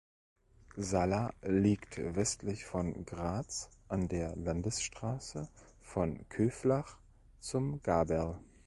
Salla liegt westlich von Graz, an der Landesstraße von Köflach zum Gaberl.